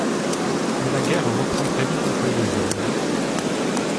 Mais la guerre reprend très vite entre les deux hommes.